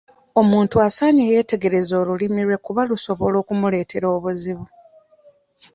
Omuntu asaanye yeegendereze olulimi lwe kuba lusobola okumuleetera obuzibu.